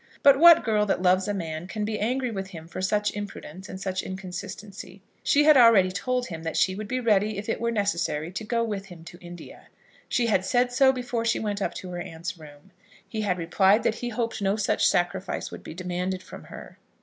But what girl that loves a man can be angry with him for such imprudence and such inconsistency? She had already told him that she would be ready, if it were necessary, to go with him to India. She had said so before she went up to her aunt's room. He had replied that he hoped no such sacrifice would be demanded from her.